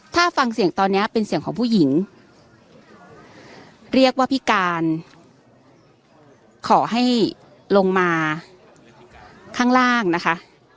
ถ้าฟังเสียงตอนนี้เป็นเสียงของผู้หญิงเรียกว่าพิการขอให้ลงมาข้างล่างนะคะ